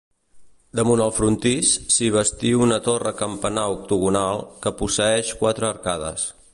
Damunt el frontis, s'hi bastí una torre-campanar octogonal, que posseeix quatre arcades.